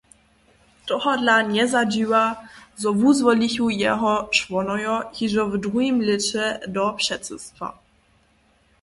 Tohodla njezadźiwa, zo wuzwolichu jeho čłonojo hižo w druhim lěće do předsydstwa.